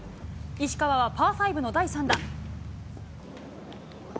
石川はパー５の第３打。